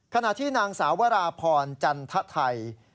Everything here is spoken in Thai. ขณะที่นางสาววราพรจันทไทย